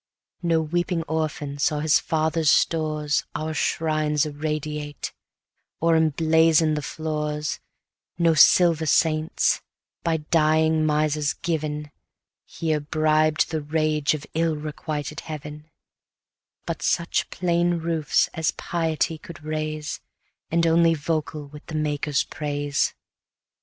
No weeping orphan saw his father's stores Our shrines irradiate, or emblaze the floors; No silver saints, by dying misers given, Here bribed the rage of ill requited Heaven: But such plain roofs as Piety could raise, And only vocal with the Maker's praise.